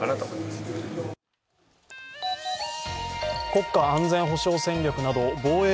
国家安全保障戦略など防衛